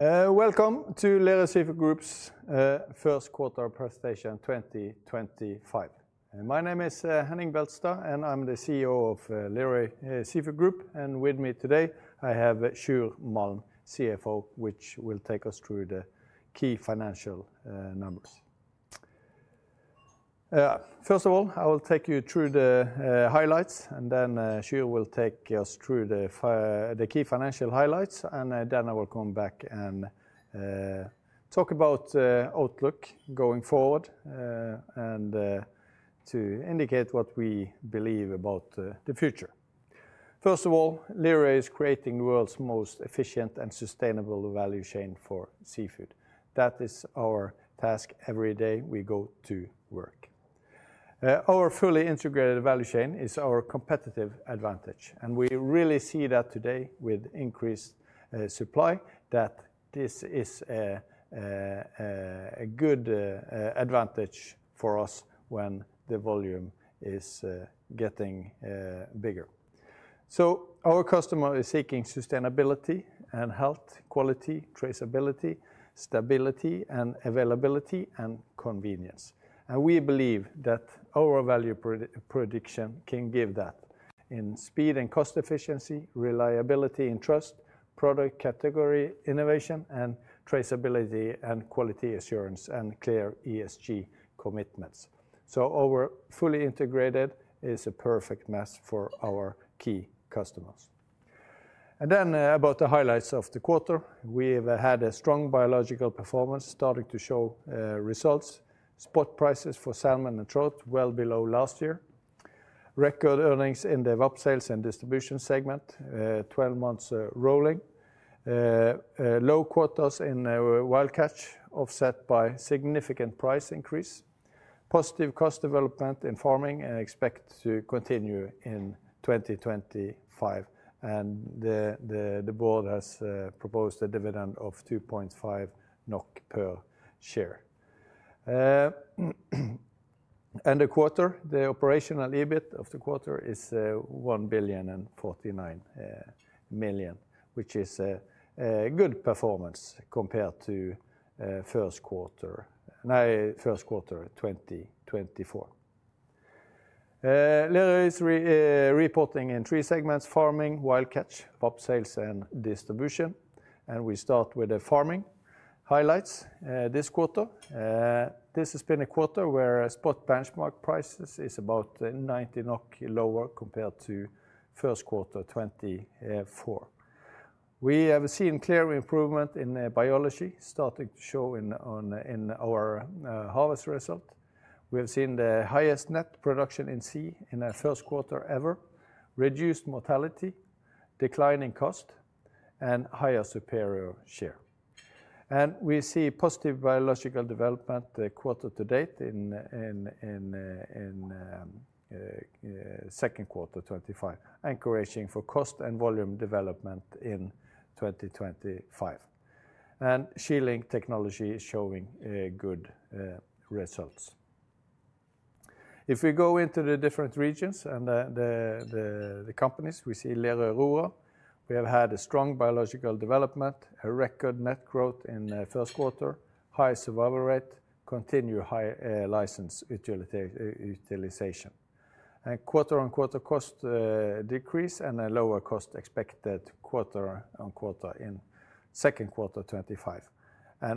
Welcome to Lerøy Seafood Group's first quarter presentation 2025. My name is Henning Beltestad, and I'm the CEO of Lerøy Seafood Group. With me today, I have Sjur Malm, CFO, who will take us through the key financial numbers. First of all, I will take you through the highlights, and then Sjur will take us through the key financial highlights. I will come back and talk about outlook going forward and to indicate what we believe about the future. First of all, Lerøy is creating the world's most efficient and sustainable value chain for seafood. That is our task every day we go to work. Our fully integrated value chain is our competitive advantage, and we really see that today with increased supply, that this is a good advantage for us when the volume is getting bigger. Our customer is seeking sustainability and health quality, traceability, stability, availability, and convenience. We believe that our value prediction can give that in speed and cost efficiency, reliability and trust, product category innovation, and traceability and quality assurance and clear ESG commitments. Our fully integrated is a perfect match for our key customers. About the highlights of the quarter. We've had a strong biological performance starting to show results. Spot prices for salmon and trout well below last year. Record earnings in the VAP S&D segment, 12 months rolling. Low quotas in wild catch offset by significant price increase. Positive cost development in farming expected to continue in 2025. The board has proposed a dividend of 2.5 NOK per share. End of quarter, the operational EBIT of the quarter is 1,049,000,000, which is a good performance compared to first quarter 2024. Lerøy is reporting in three segments: farming, wild catch, upsales, and distribution. We start with the farming highlights this quarter. This has been a quarter where spot benchmark prices is about 90 NOK lower compared to first quarter 2024. We have seen clear improvement in biology starting to show in our harvest result. We have seen the highest net production in sea in a first quarter ever, reduced mortality, declining cost, and higher superior share. We see positive biological development quarter to date in second quarter 2025, encouraging for cost and volume development in 2025. Shielding technology is showing good results. If we go into the different regions and the companies, we see Lerøy Aurora. We have had a strong biological development, a record net growth in first quarter, high survival rate, continued license utilization. Quarter on quarter cost decrease and a lower cost expected quarter on quarter in second quarter 2025.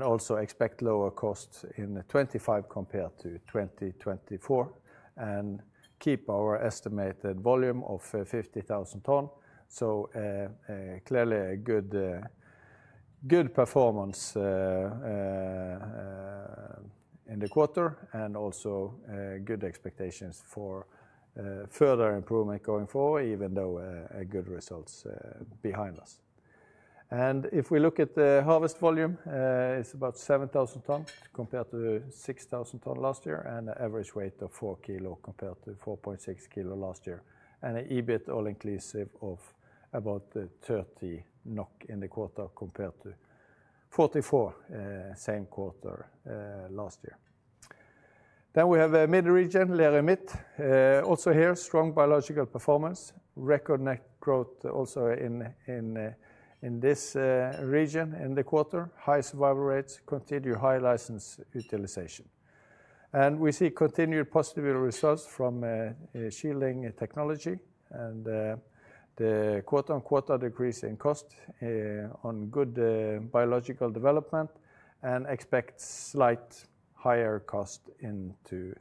Also expect lower cost in 2025 compared to 2024 and keep our estimated volume of 50,000 tons. Clearly, a good performance in the quarter and also good expectations for further improvement going forward, even though good results behind us. If we look at the harvest volume, it's about 7,000 tons compared to 6,000 tons last year and an average weight of 4 kilos compared to 4.6 kilos last year. An EBIT all inclusive of about 30 NOK in the quarter compared to 44 same quarter last year. We have a mid region, Lerøy Midt. Also here, strong biological performance, record net growth also in this region in the quarter, high survival rates, continued high license utilization. We see continued positive results from shielding technology and the quarter-on-quarter decrease in cost on good biological development and expect slight higher cost into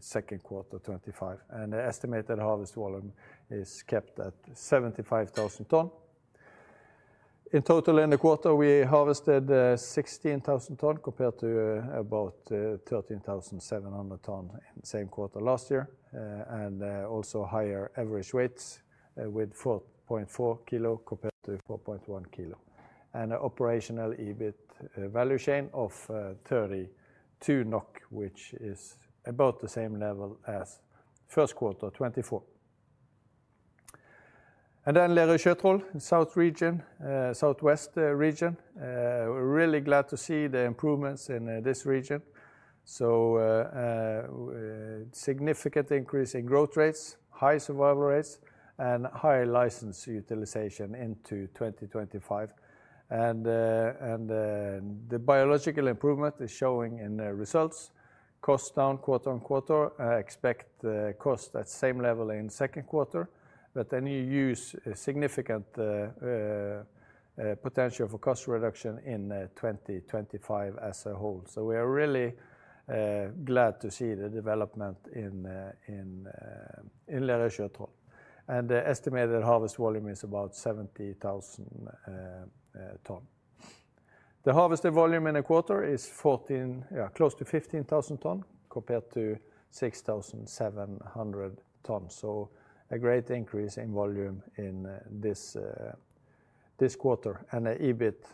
second quarter 2025. The estimated harvest volume is kept at 75,000 tons. In total, in the quarter, we harvested 16,000 tons compared to about 13,700 tons in the same quarter last year. Also higher average weights with 4.4 kilos compared to 4.1 kilos. Operational EBIT value chain of 32 NOK, which is about the same level as first quarter 2024. Lerøy Sjøtroll, south western region. Really glad to see the improvements in this region. Significant increase in growth rates, high survival rates, and high license utilization into 2025. The biological improvement is showing in results. Cost down quarter-on-quarter. Expect cost at the same level in second quarter, but then you see significant potential for cost reduction in 2025 as a whole. We are really glad to see the development in Lerøy Sjøtroll. The estimated harvest volume is about 70,000 tons. The harvested volume in a quarter is close to 15,000 tons compared to 6,700 tons. A great increase in volume in this quarter and an EBIT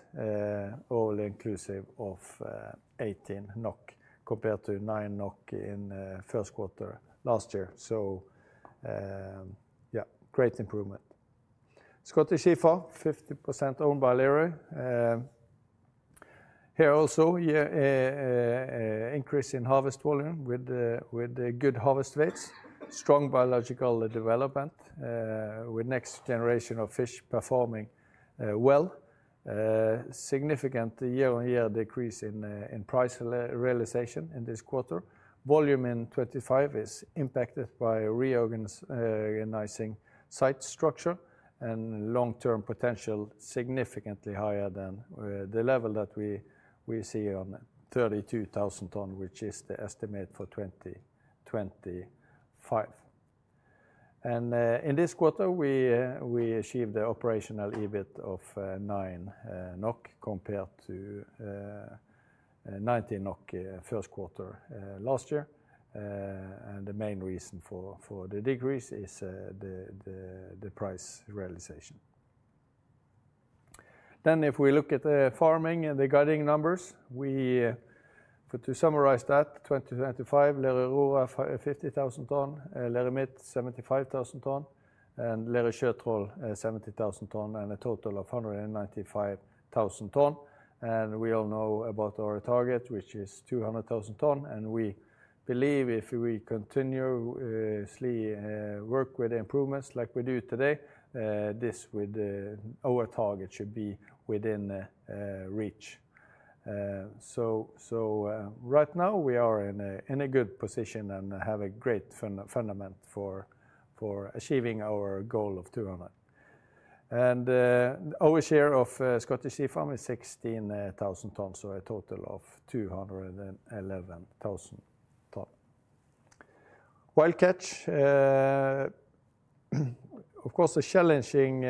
all inclusive of 18 NOK compared to 9 NOK in first quarter last year. Great improvement. Scottish Sea Farms, 50% owned by Lerøy. Here also, increase in harvest volume with good harvest weights. Strong biological development with next generation of fish performing well. Significant year-on-year decrease in price realization in this quarter. Volume in 2025 is impacted by reorganizing site structure and long-term potential significantly higher than the level that we see on 32,000 tons, which is the estimate for 2025. In this quarter, we achieved an operational EBIT of 9 NOK compared to 19 NOK first quarter last year. The main reason for the decrease is the price realization. If we look at the farming and the guiding numbers, to summarize that, 2025, Lerøy Aurora 50,000 tons, Lerøy Midt 75,000 tons, and Lerøy Sjøtroll 70,000 tons and a total of 195,000 tons. We all know about our target, which is 200,000 tons. We believe if we continuously work with improvements like we do today, our target should be within reach. Right now, we are in a good position and have a great fundament for achieving our goal of 200. Our share of Scottish Sea Farms is 16,000 tons, so a total of 211,000 tons. Wild catch, of course, a challenging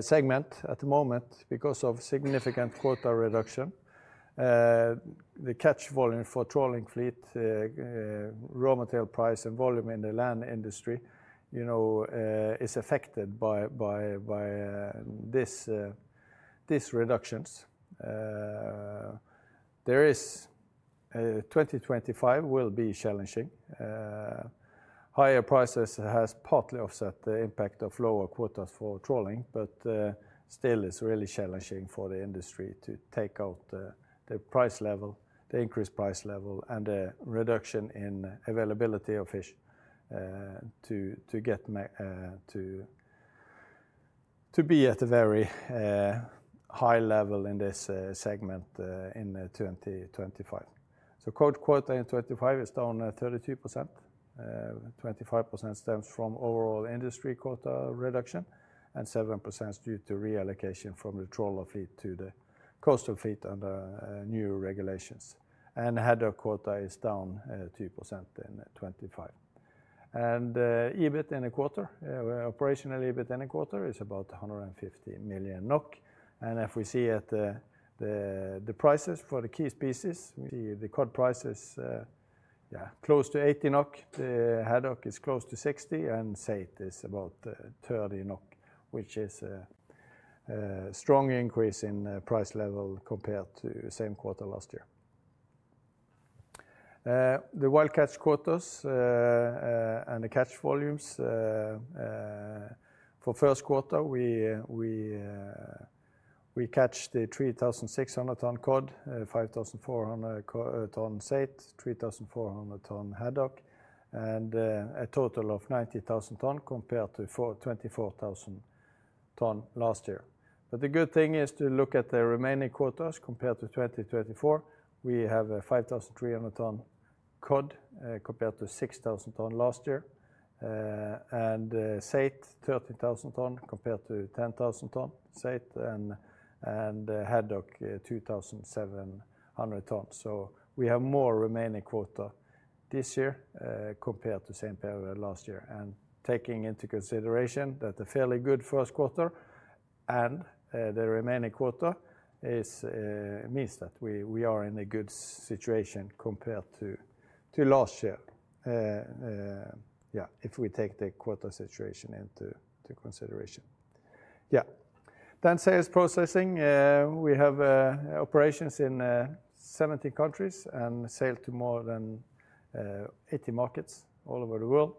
segment at the moment because of significant quota reduction. The catch volume for trawling fleet, raw material price and volume in the land industry is affected by these reductions. 2025 will be challenging. Higher prices have partly offset the impact of lower quotas for trawling, but still it's really challenging for the industry to take out the increased price level and the reduction in availability of fish to be at a very high level in this segment in 2025. Quota in 2025 is down 32%. 25% stems from overall industry quota reduction and 7% due to reallocation from the trawler fleet to the coastal fleet under new regulations. Haddock quota is down 2% in 2025. EBIT in a quarter, operational EBIT in a quarter is about 150 million NOK. If we see at the prices for the key species, the cod price is close to 80 NOK, the haddock is close to 60, and Saithe is about 30 NOK, which is a strong increase in price level compared to same quarter last year. The wild catch quotas and the catch volumes for first quarter, we catch the 3,600-ton cod, 5,400-ton saithe, 3,400-ton haddock, and a total of 90,000-ton compared to 24,000-ton last year. The good thing is to look at the remaining quotas compared to 2024. We have 5,300-ton cod compared to 6,000-ton last year. Saithe, 13,000-ton compared to 10,000-ton, saithe and haddock 2,700-ton. We have more remaining quota this year compared to same period last year. Taking into consideration that a fairly good first quarter and the remaining quota means that we are in a good situation compared to last year if we take the quota situation into consideration. Then sales processing. We have operations in 17 countries and sales to more than 80 markets all over the world.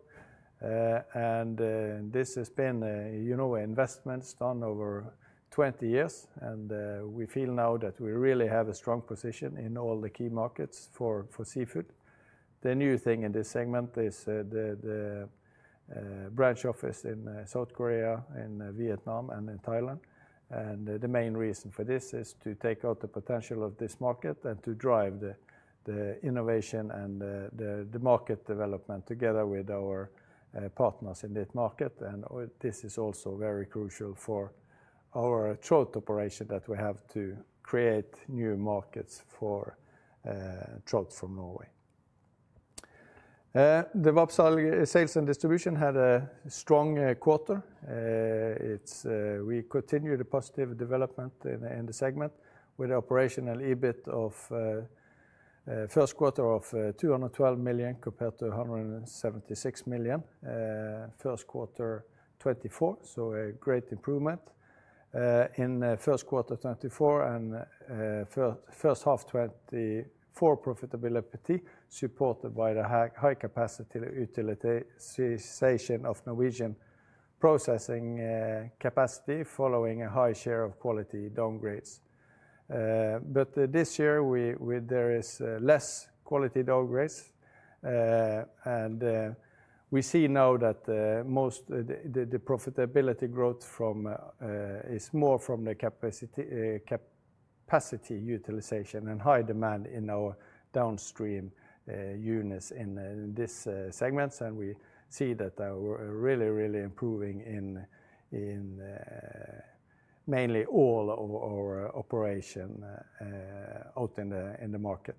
This has been investments done over 20 years. We feel now that we really have a strong position in all the key markets for seafood. The new thing in this segment is the branch office in South Korea, in Vietnam, and in Thailand. The main reason for this is to take out the potential of this market and to drive the innovation and the market development together with our partners in this market. This is also very crucial for our trout operation that we have to create new markets for trout from Norway. The VAP sales and distribution had a strong quarter. We continue the positive development in the segment with operational EBIT of first quarter of 212 million compared to 176 million first quarter 2024, so a great improvement. In first quarter 2024 and first half 2024, profitability supported by the high capacity utilization of Norwegian processing capacity following a high share of quality downgrades. This year, there is less quality downgrades. We see now that the profitability growth is more from the capacity utilization and high demand in our downstream units in this segment. We see that we're really improving in mainly all of our operation out in the market.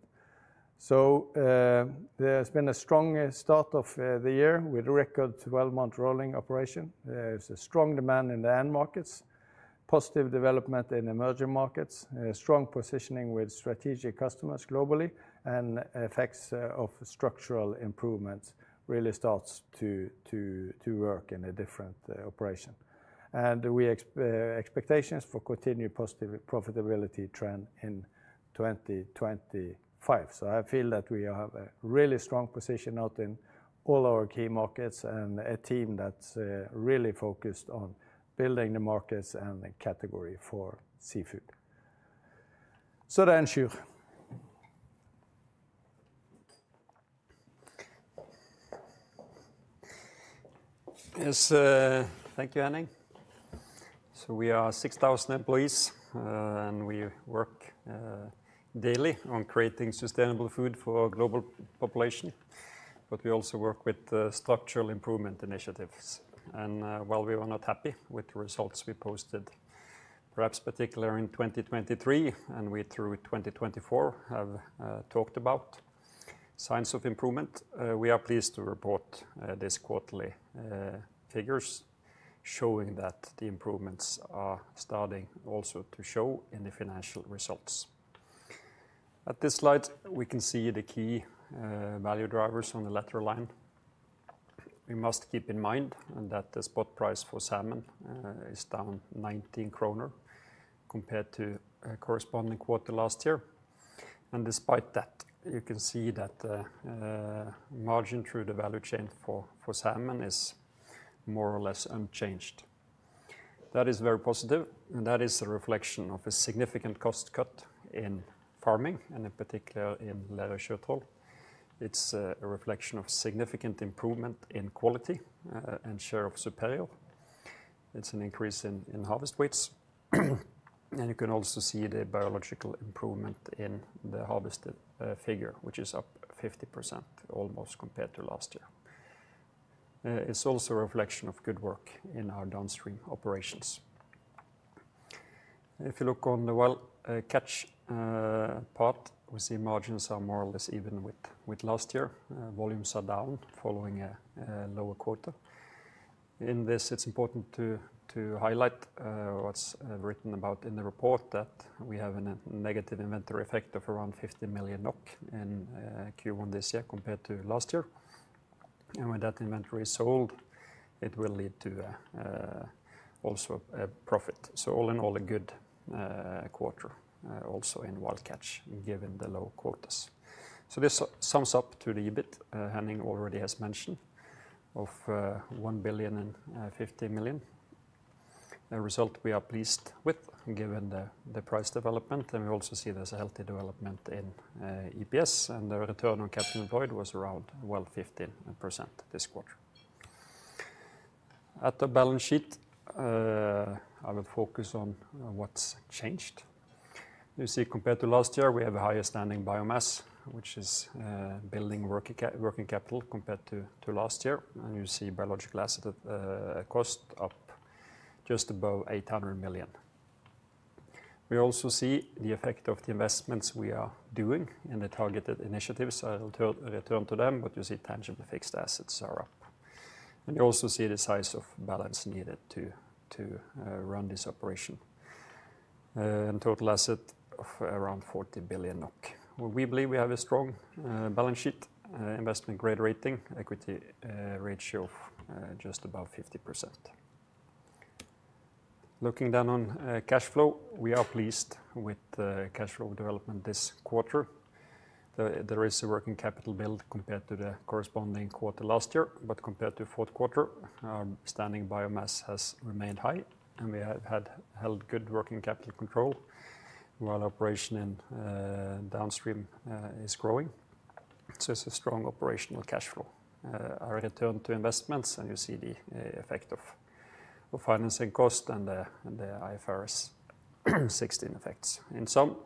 There's been a strong start of the year with a record 12-month rolling operation. There's a strong demand in the end markets, positive development in emerging markets, strong positioning with strategic customers globally, and effects of structural improvements really start to work in a different operation. We have expectations for continued positive profitability trend in 2025. I feel that we have a really strong position out in all our key markets and a team that's really focused on building the markets and the category for seafood. Thank you, Henning. We are 6,000 employees, and we work daily on creating sustainable food for our global population. We also work with structural improvement initiatives. While we were not happy with the results we posted, perhaps particularly in 2023, and we through 2024 have talked about signs of improvement, we are pleased to report these quarterly figures showing that the improvements are starting also to show in the financial results. At this slide, we can see the key value drivers on the lateral line. We must keep in mind that the spot price for salmon is down 19 kroner compared to a corresponding quarter last year. Despite that, you can see that the margin through the value chain for salmon is more or less unchanged. That is very positive, and that is a reflection of a significant cost cut in farming, and in particular in Lerøy Sjøtroll. It's a reflection of significant improvement in quality and share of superior. It's an increase in harvest weights. You can also see the biological improvement in the harvested figure, which is up 50% almost compared to last year. It's also a reflection of good work in our downstream operations. If you look on the wild catch part, we see margins are more or less even with last year. Volumes are down following a lower quota. In this, it's important to highlight what's written about in the report that we have a negative inventory effect of around 15 million NOK in Q1 this year compared to last year. When that inventory is sold, it will lead to also a profit. All in all, a good quarter also in wild catch given the low quotas. This sums up to the EBIT Henning already has mentioned of 1 billion and 50 million. The result we are pleased with given the price development, and we also see there's a healthy development in EPS. The return on capital employed was around 15% this quarter. At the balance sheet, I will focus on what's changed. You see compared to last year, we have a higher standing biomass, which is building working capital compared to last year. You see biological asset cost up just above 800 million. We also see the effect of the investments we are doing in the targeted initiatives. I will return to them, but you see tangible fixed assets are up. You also see the size of balance needed to run this operation. Total asset of around 40 billion NOK. We believe we have a strong balance sheet, investment grade rating, equity ratio of just above 50%. Looking down on cash flow, we are pleased with the cash flow development this quarter. There is a working capital build compared to the corresponding quarter last year, but compared to fourth quarter, our standing biomass has remained high, and we have held good working capital control while operation in downstream is growing. It is a strong operational cash flow. I return to investments, and you see the effect of financing cost and the IFRS 16 effects. In sum,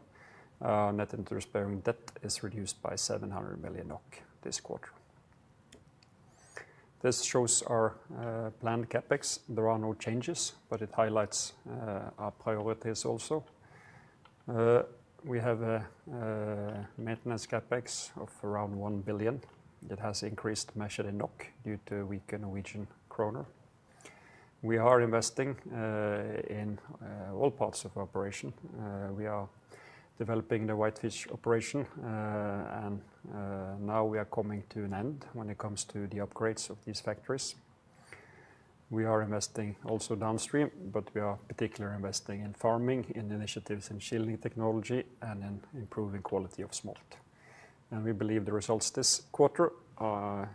net interest bearing debt is reduced by 700 million NOK this quarter. This shows our planned CapEx. There are no changes, but it highlights our priorities also. We have a maintenance CapEx of around 1 billion. It has increased measured in NOK due to weaker Norwegian krone. We are investing in all parts of our operation. We are developing the white fish operation, and now we are coming to an end when it comes to the upgrades of these factories. We are investing also downstream, but we are particularly investing in farming, in initiatives in shielding technology, and in improving quality of smolt. We believe the results this quarter are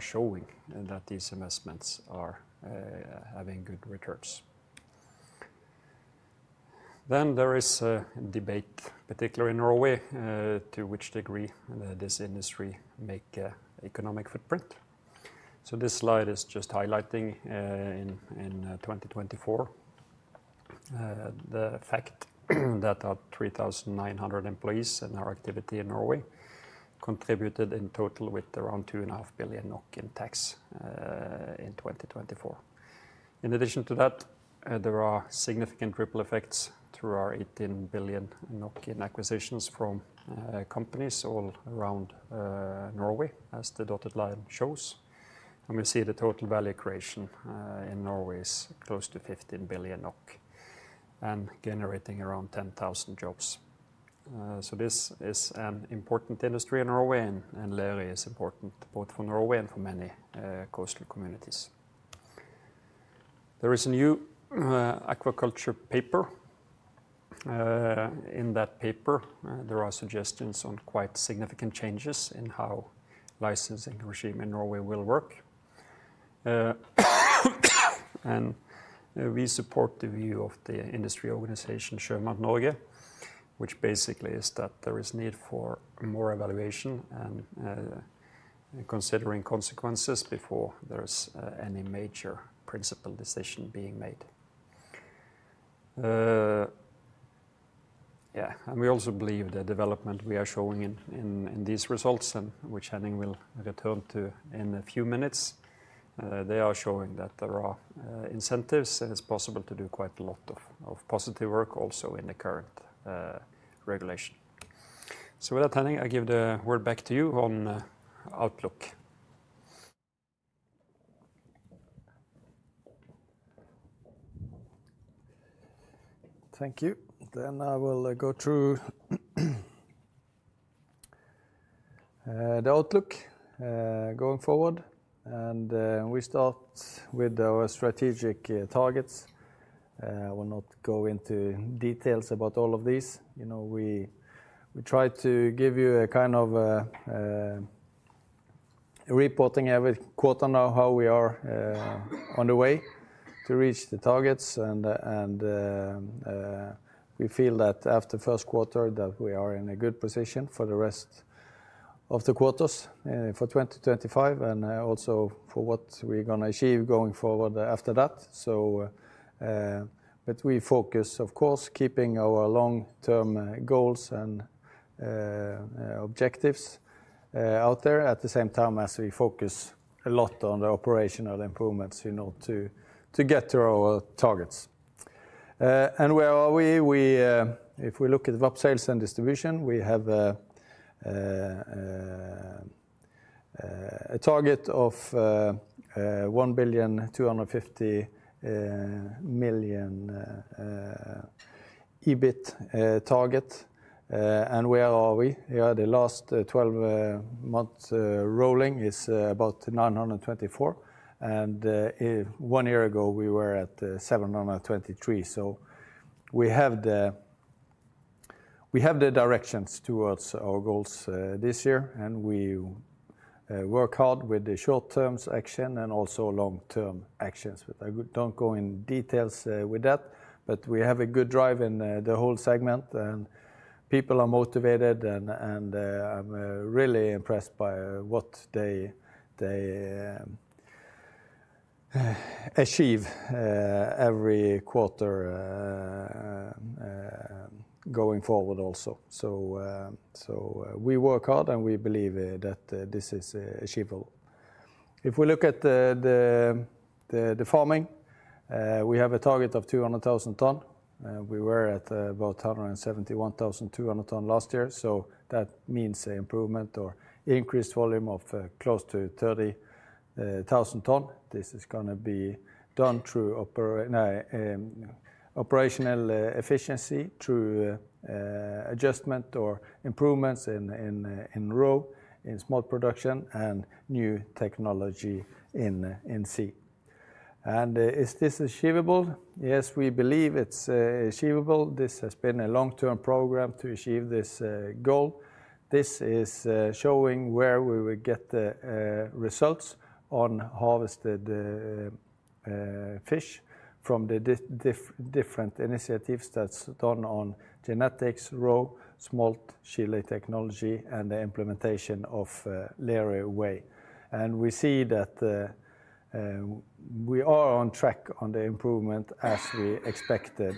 showing that these investments are having good returns. There is a debate, particularly in Norway, to which degree this industry makes an economic footprint. This slide is just highlighting in 2024 the fact that our 3,900 employees and our activity in Norway contributed in total with around 2.5 billion NOK in tax in 2024. In addition to that, there are significant ripple effects through our 18 billion in acquisitions from companies all around Norway, as the dotted line shows. We see the total value creation in Norway is close to 15 billion NOK and generating around 10,000 jobs. This is an important industry in Norway, and Lerøy is important both for Norway and for many coastal communities. There is a new aquaculture paper. In that paper, there are suggestions on quite significant changes in how the licensing regime in Norway will work. We support the view of the industry organization Sjømat Norge, which basically is that there is a need for more evaluation and considering consequences before there is any major principal decision being made. We also believe the development we are showing in these results, which Henning will return to in a few minutes, they are showing that there are incentives and it is possible to do quite a lot of positive work also in the current regulation. With that, Henning, I give the word back to you on Outlook. Thank you. I will go through the Outlook going forward. We start with our strategic targets. I will not go into details about all of these. We try to give you a kind of reporting every quarter now how we are on the way to reach the targets. We feel that after first quarter that we are in a good position for the rest of the quarters for 2025 and also for what we're going to achieve going forward after that. We focus, of course, keeping our long-term goals and objectives out there at the same time as we focus a lot on the operational improvements in order to get through our targets. Where are we? If we look at VAP sales and distribution, we have a target of 1.25 billion EBIT target. Where are we? The last 12 months rolling is about 924 million. One year ago, we were at 723 million. We have the directions towards our goals this year, and we work hard with the short-term action and also long-term actions. I don't go in details with that, but we have a good drive in the whole segment, and people are motivated, and I'm really impressed by what they achieve every quarter going forward also. We work hard, and we believe that this is achievable. If we look at the farming, we have a target of 200,000 tonnes. We were at about 171,200 tonnes last year. That means an improvement or increased volume of close to 30,000 tons. This is going to be done through operational efficiency, through adjustment or improvements in raw, in smolt production, and new technology in sea. Is this achievable? Yes, we believe it's achievable. This has been a long-term program to achieve this goal. This is showing where we will get the results on harvested fish from the different initiatives that's done on genetics, raw, smolt, shielding technology, and the implementation of Lerøy Way. We see that we are on track on the improvement as we expected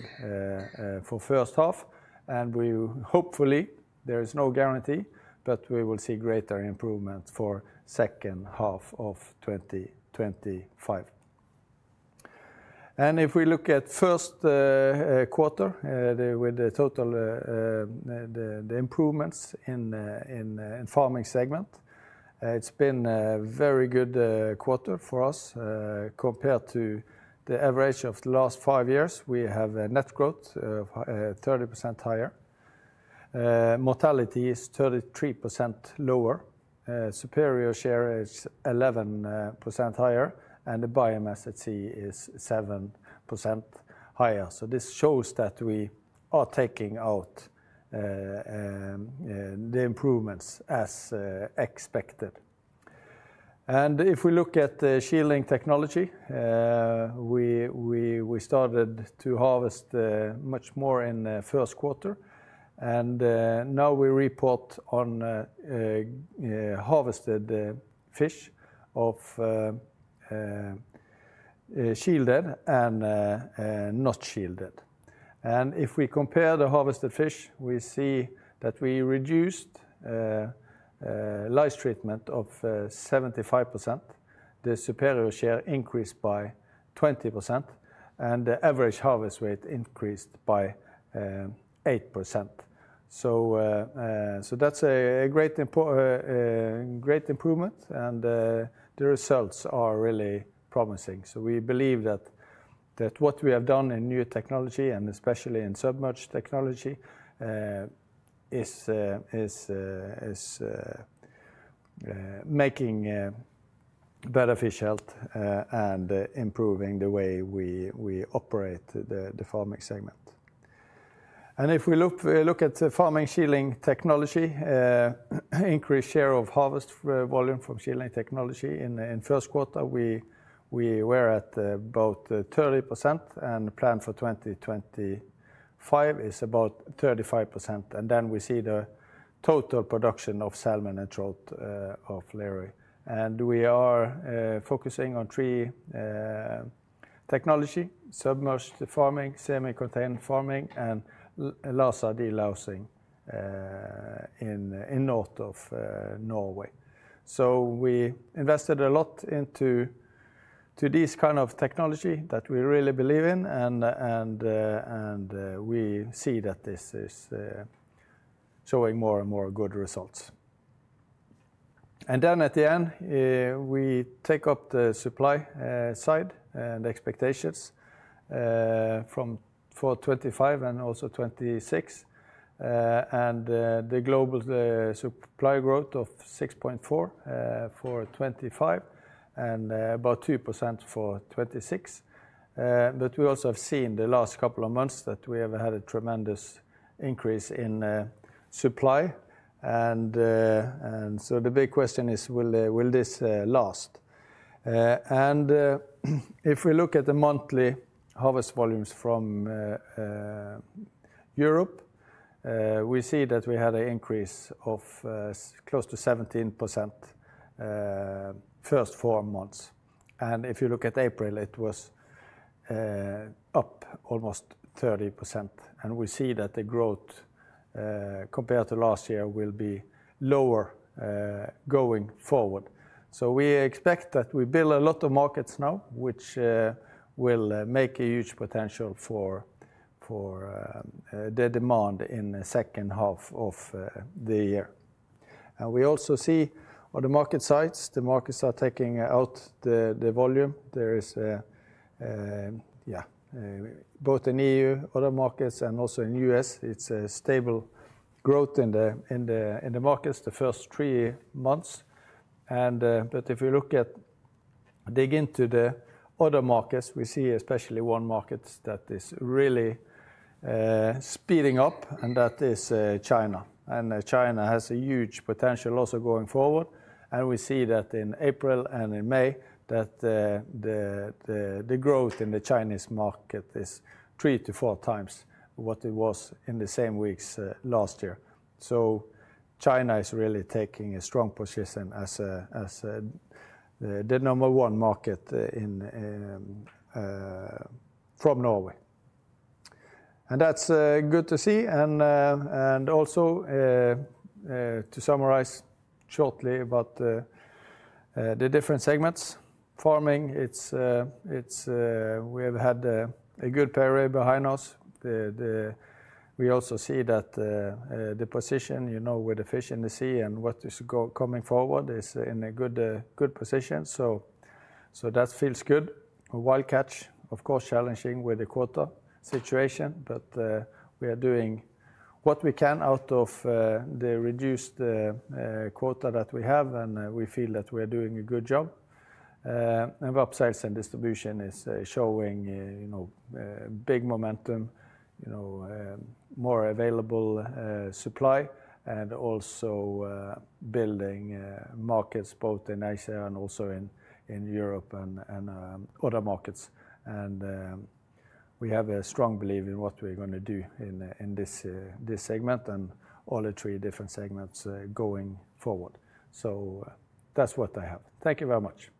for first half. Hopefully, there is no guarantee, but we will see greater improvement for the second half of 2025. If we look at the first quarter with the total improvements in the farming segment, it's been a very good quarter for us compared to the average of the last five years. We have a net growth of 30% higher. Mortality is 33% lower. Superior share is 11% higher, and the biomass at sea is 7% higher. This shows that we are taking out the improvements as expected. If we look at the shielding technology, we started to harvest much more in the first quarter. Now we report on harvested fish of shielded and not shielded. If we compare the harvested fish, we see that we reduced lice treatment of 75%. The superior share increased by 20%, and the average harvest weight increased by 8%. That's a great improvement, and the results are really promising. We believe that what we have done in new technology, and especially in submerged technology, is making better fish health and improving the way we operate the farming segment. If we look at farming shielding technology, increased share of harvest volume from shielding technology in first quarter, we were at about 30%, and plan for 2025 is about 35%. We see the total production of salmon and trout of Lerøy. We are focusing on three technologies: submerged farming, semi-contained farming, and LASA de-lousing in north of Norway. We invested a lot into this kind of technology that we really believe in, and we see that this is showing more and more good results. At the end, we take up the supply side and expectations for 2025 and also 2026. The global supply growth of 6.4% for 2025 and about 2% for 2026. We have also seen the last couple of months that we have had a tremendous increase in supply. The big question is, will this last? If we look at the monthly harvest volumes from Europe, we see that we had an increase of close to 17% the first four months. If you look at April, it was up almost 30%. We see that the growth compared to last year will be lower going forward. We expect that we build a lot of markets now, which will make a huge potential for the demand in the second half of the year. We also see on the market sides, the markets are taking out the volume. There is both in EU, other markets, and also in the US. It's a stable growth in the markets the first three months. If we look at, dig into the other markets, we see especially one market that is really speeding up, and that is China. China has a huge potential also going forward. We see that in April and in May, that the growth in the Chinese market is three to four times what it was in the same weeks last year. China is really taking a strong position as the number one market from Norway. That's good to see. Also, to summarize shortly about the different segments, farming, we have had a good period behind us. We also see that the position with the fish in the sea and what is coming forward is in a good position. That feels good. catch, of course, challenging with the quarter situation, but we are doing what we can out of the reduced quarter that we have, and we feel that we are doing a good job. VAP sales and distribution is showing big momentum, more available supply, and also building markets both in Asia and also in Europe and other markets. We have a strong belief in what we're going to do in this segment and all the three different segments going forward. That's what I have. Thank you very much.